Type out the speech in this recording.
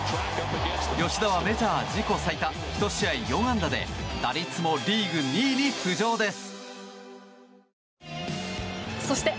吉田はメジャー自己最多１試合４安打で打率もリーグ２位に浮上です。